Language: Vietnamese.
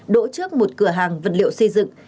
đỗ trước một cửa hàng vật liệu xây dựng